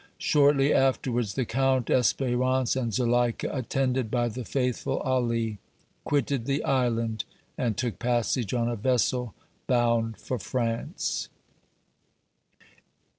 Shortly afterwards the Count, Espérance and Zuleika, attended by the faithful Ali, quitted the Island and took passage on a vessel bound for France.